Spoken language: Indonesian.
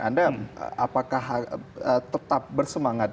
anda apakah tetap bersemangat